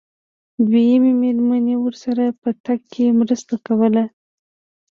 دويمې مېرمنې ورسره په تګ کې مرسته کوله.